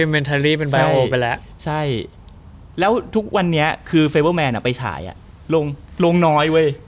เป็นไปแล้วใช่แล้วทุกวันเนี้ยคือไปถ่ายอ่ะลงลงน้อยเว้ย